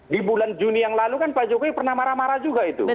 di bulan juni yang lalu kan pak jokowi pernah marah marah juga itu